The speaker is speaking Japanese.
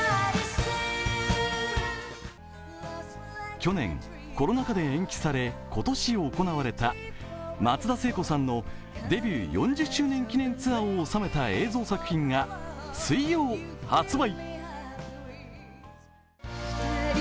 去年、コロナ禍で延期され今年、行われた松田聖子さんのデビュー４０周年記念ツアーを収めた映像作品が水曜、発売。